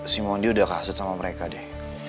si mondi udah kasat sama mereka deh